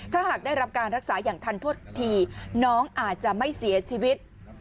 ถ้าหากได้รับการรักษาอย่างทันทดทีน้องอาจจะไม่เสียชีวิต